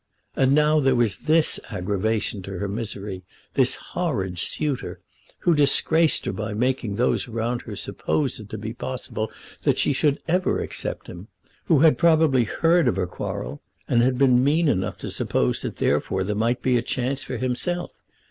And now there was this aggravation to her misery, this horrid suitor, who disgraced her by making those around her suppose it to be possible that she should ever accept him; who had probably heard of her quarrel, and had been mean enough to suppose that therefore there might be a chance for himself!